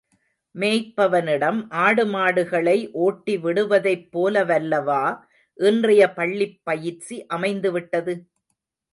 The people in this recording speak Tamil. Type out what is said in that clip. மேய்ப்பவனிடம் ஆடு மாடுகளை ஓட்டி விடுவதைப் போல வல்லவா இன்றைய பள்ளிப் பயிற்சி அமைந்து விட்டது?